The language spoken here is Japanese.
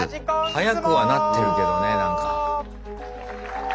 速くはなってるけどね。